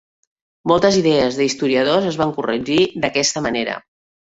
Moltes idees d'historiadors es van corregir d'aquesta manera.